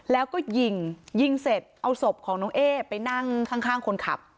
แล้วก็ยิงยิงเสร็จเอาศพของน้องเอ๊ไปนั่งข้างคนขับ